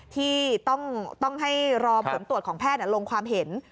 ที่ต้องให้รอผลตรวจของแพทย์ลงความเห็น